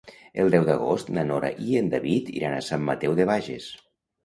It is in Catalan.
El deu d'agost na Nora i en David iran a Sant Mateu de Bages.